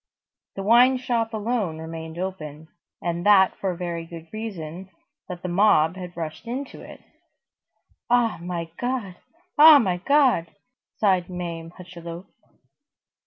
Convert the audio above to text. The wine shop alone remained open; and that for a very good reason, that the mob had rushed into it.—"Ah my God! Ah my God!" sighed Mame Hucheloup.